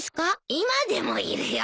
今でもいるよ。